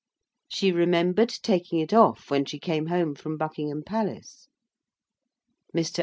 She remembered taking it off when she came home from Buckingham Palace. Mr.